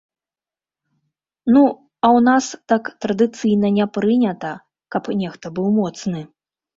Ну, а ў нас так традыцыйна не прынята, каб нехта быў моцны.